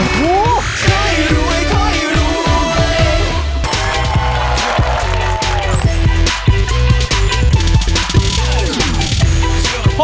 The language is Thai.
โอ้โฮ